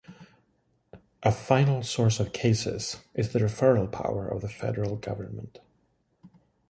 A final source of cases is the referral power of the federal government.